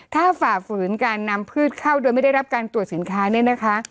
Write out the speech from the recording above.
ถ้าฝ่าฝืนการนำพืชเข้าโดยไม่ได้รับการตรวจสินค้าเนี่ยนะคะ